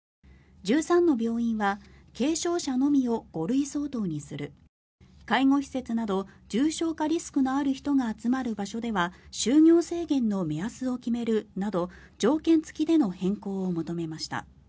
１３の病院は軽症者のみを５類相当にする介護施設など重症化リスクのある人が集まる場所では就業制限の目安を決めるなど条件付きでの変更を求めました。